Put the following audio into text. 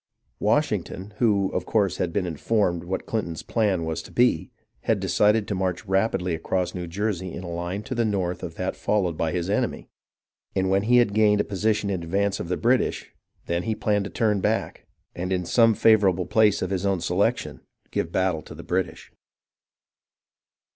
Washington, who, of course, had been informed what Clinton's plan was to be, had decided to march rapidly across New Jersey in a line to the north of that followed by his enemy, and when he had gained a position in advance of the British, then he planned to turn back, and in some favourable place of his own selection give battle to the 234 HISTORY OF THE AMERICAN REVOLUTION British.